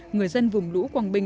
người dân vùng lũ quảng bình